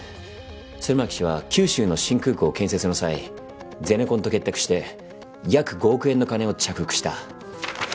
鶴巻氏は九州の新空港建設の際ゼネコンと結託して約５億円の金を着服した。